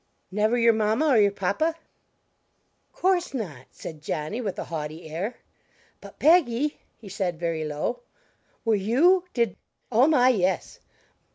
"Never your mamma or your papa?" "Course not," said Johnny with a haughty air; "but, Peggy," he said very low, "were you did " "Oh, my, yes!